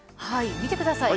見てください。